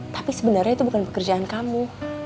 tapi sebenarnya itu bukan pekerjaan kamu